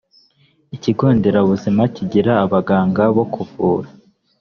ikigonderabuzima kigira abagaga bokuvura.